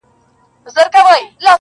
خو بېرېږم کار یې خره ته دی سپارلی.!